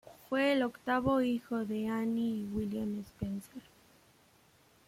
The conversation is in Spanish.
Fue el octavo hijo de Annie y William Spencer.